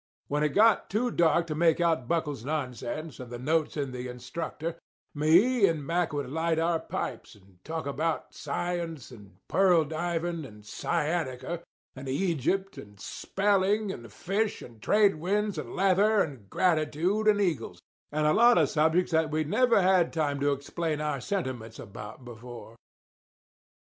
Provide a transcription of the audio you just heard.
When it got too dark to make out Buckle's nonsense and the notes in the Instructor, me and Mack would light our pipes and talk about science and pearl diving and sciatica and Egypt and spelling and fish and trade winds and leather and gratitude and eagles, and a lot of subjects that we'd never had time to explain our sentiments about before.